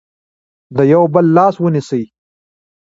د یو بل لاس ونیسئ.